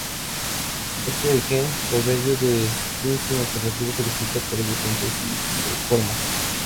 Este gen, por medio de "splicing alternativo", codifica tres diferentes isoformas.